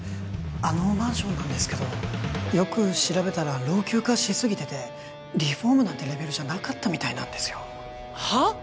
あのマンションなんですけどよく調べたら老朽化しすぎててリフォームなんてレベルじゃなかったみたいなんですよはっ？